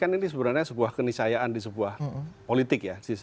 kan ini sebenarnya sebuah kenisayaan di sebuah politik ya